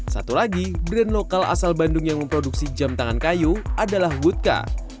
satu lagi brand lokal asal bandung yang memproduksi jemtangan kayu adalah woodka